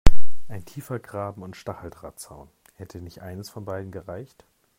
Ein tiefer Graben und Stacheldrahtzaun – hätte nicht eines von beidem gereicht?